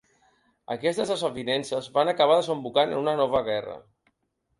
Aquestes desavinences van acabar desembocant en una nova guerra.